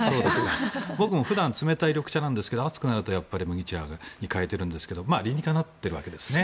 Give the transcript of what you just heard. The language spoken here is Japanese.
僕も普段冷たい緑茶なんですが暑くなると麦茶に変えているんですが理にかなっているわけですね。